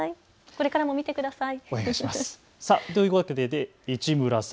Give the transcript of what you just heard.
これからも見てください。